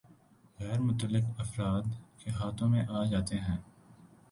غیر متعلق افراد کے ہاتھوں میں آجاتے ہیں